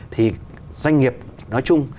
thì doanh nghiệp nói chung